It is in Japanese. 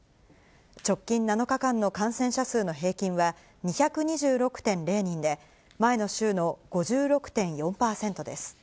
直近７日間の感染者数の平均は２２６．０人で、前の週の５６．４％です。